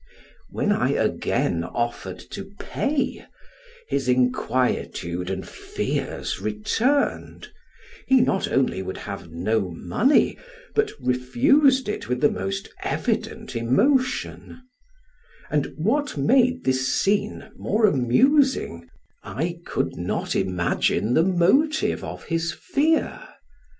When I again offered to pay, his inquietude and fears returned; he not only would have no money, but refused it with the most evident emotion; and what made this scene more amusing, I could not imagine the motive of his fear.